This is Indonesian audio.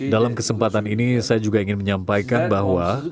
dalam kesempatan ini saya juga ingin menyampaikan bahwa